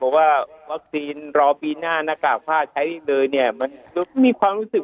ว่าวัคซีนรอปีหน้าหน้ากากผ้าใช้เลยเนี่ยมันมีความรู้สึก